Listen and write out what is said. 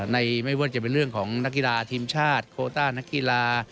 ไม่ว่าจะเป็นเรื่องของนักกีฬาทีมชาติโคต้านักกีฬา